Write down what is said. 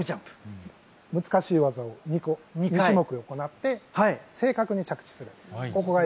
難しい技を２種目行って、正確に着地する。